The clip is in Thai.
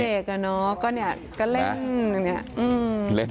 เด็กอ่ะเนาะก็เล่น